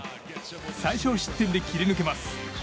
最少失点で切り抜けます。